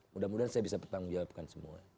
mudah mudahan saya bisa bertanggung jawabkan semua